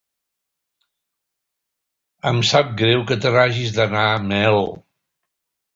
Em sap greu que te n'hagis d'anar, Mel.